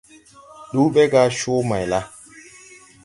Ndu ɓɛ gá Comayla.